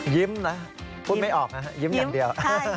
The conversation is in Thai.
ยิ้มนะพูดไม่ออกนะยิ้มอย่างเดียว